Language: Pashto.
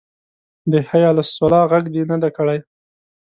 د حی علی الصلواه غږ نه دی کړی.